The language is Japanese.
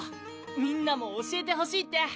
みんなも教えてほしいって！